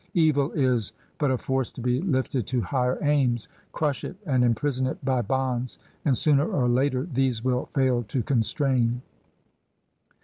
Evil is but a force to be lifted to higher aims; crush it and imprison it by bonds, and sooner or later these will fail to constrain.